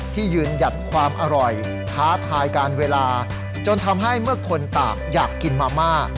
ที่ยืนหยัดความอร่อยท้าทายการเวลาจนทำให้เมื่อคนตากอยากกินมาม่า